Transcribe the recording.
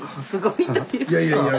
いやいやいや。